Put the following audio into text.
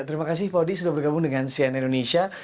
terima kasih pak odi sudah bergabung dengan cn indonesia